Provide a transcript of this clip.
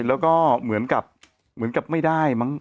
แล้วก็เหมือนกับไม่ได้มั้ง